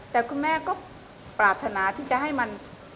แต่คุณแม่ก็ปรารถนาที่จะให้มัน